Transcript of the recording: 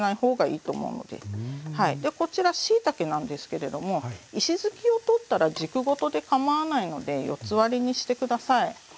でこちらしいたけなんですけれども石づきを取ったら軸ごとでかまわないので四つ割りにして下さい。